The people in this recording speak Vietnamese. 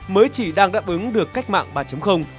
mới chỉ đang đáp ứng được cách mạng bán hàng